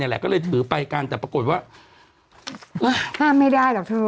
เลยถือไปกันแต่ปรากฏว่า